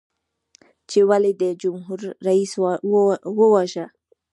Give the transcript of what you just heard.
چې ولې دې جمهور رئیس وواژه؟